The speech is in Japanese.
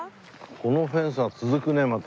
この辺さ続くねまた。